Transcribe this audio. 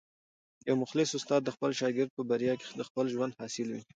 یو مخلص استاد د خپل شاګرد په بریا کي د خپل ژوند حاصل ویني.